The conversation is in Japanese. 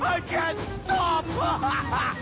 アハハハ！